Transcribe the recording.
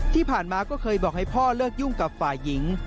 ที่ผ่านมาก็เคยบอกให้พ่อเลิกยุ่งกับฝ่ายหญิง